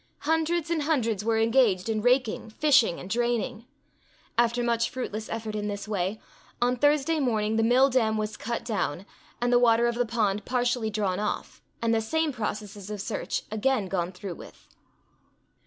Hundreds and hundreds were engaged in raking, fishing, and draining. After much fruitless effort in this way, on Thursday morning the mill dam was cut down, and the water of the pond partially drawn off, and the same processes of search again gone through with.